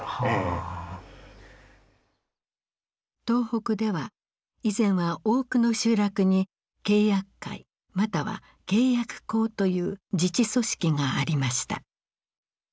東北では以前は多くの集落に契約会または契約講という自治組織がありました。